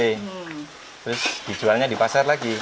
terus dijualnya di pasar lagi